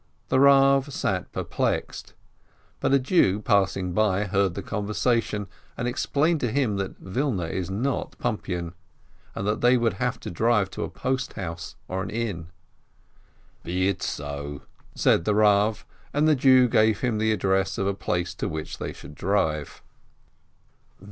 The Rav sat perplexed, but a Jew passing by heard the conversation, and explained to him that Wilna is not Pumpian, and that they would have to drive to a post house, or an inn. "Be it so!" said the Rav, and the Jew gave him the address of a place to which they should drive.